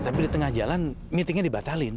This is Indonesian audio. tapi di tengah jalan meetingnya dibatalin